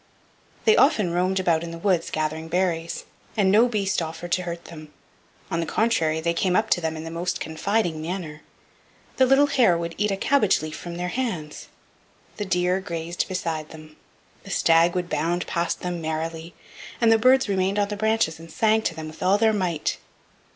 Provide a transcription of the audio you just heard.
They often roamed about in the woods gathering berries and no beast offered to hurt them; on the contrary, they came up to them in the most confiding manner; the little hare would eat a cabbage leaf from their hands, the deer grazed beside them, the stag would bound past them merrily, and the birds remained on the branches and sang to them with all their might.